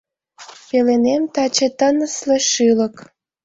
Пеленем таче тынысле шӱлык.